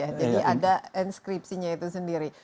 jadi ada inscriptinya itu sendiri